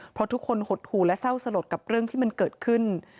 เพราะทุกคนหดหู่และเศร้าสลดกับเรื่องที่มันเกิดขึ้น